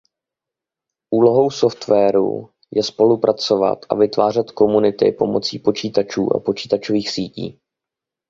Úlohou softwaru je spolupracovat a vytvářet komunity pomocí počítačů a počítačových sítí.